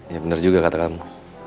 ya benar juga kata kamu